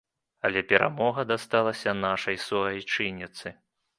Але перамога дасталася нашай суайчынніцы.